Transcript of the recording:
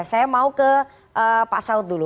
saya mau ke pak saud dulu